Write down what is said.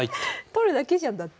取るだけじゃんだって。